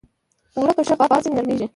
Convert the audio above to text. اوړه که ښه غربال شي، نرمېږي